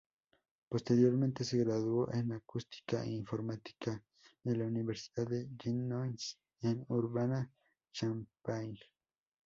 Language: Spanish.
Posteriormente, se graduó en acústica e informática en la Universidad de Illinois en Urbana-Champaign.